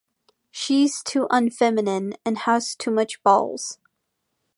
She's too unfeminine and has too much balls.